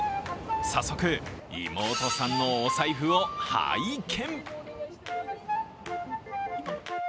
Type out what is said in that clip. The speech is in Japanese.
早速、妹さんのお財布を拝見。